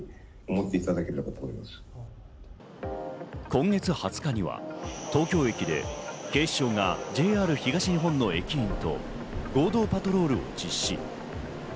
今月２０日には東京駅で警視庁がＪＲ東日本の駅員と合同パトロールを実施。